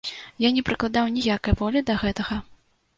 Я не прыкладаў ніякай волі да гэтага.